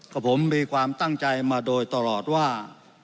กับผมมีความตั้งใจมาโดยตลอดว่า